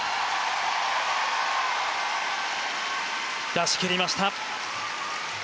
出し切りました。